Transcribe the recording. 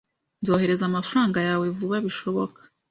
Nzohereza amafaranga yawe vuba bishoboka.